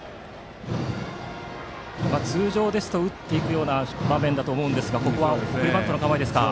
通常だと打っていくような場面だと思いますがここは送りバントの構えです。